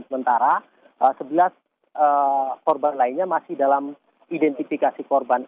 sementara sebelas korban lainnya masih dalam identifikasi korban